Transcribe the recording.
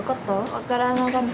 わからなかった。